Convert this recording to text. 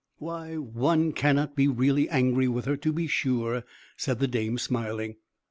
"Why, one cannot be really angry with her, to be sure," said the dame, smiling.